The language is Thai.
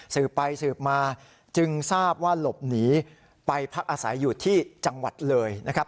สืบไปสืบมาจึงทราบว่าหลบหนีไปพักอาศัยอยู่ที่จังหวัดเลยนะครับ